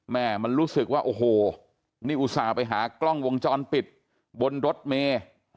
แม่มันรู้สึกว่าโอ้โหนี่อุตส่าห์ไปหากล้องวงจรปิดบนรถเมย์